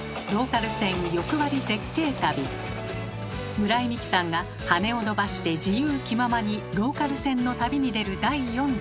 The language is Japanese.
村井美樹さんが羽を伸ばして自由気ままにローカル線の旅に出る第４弾。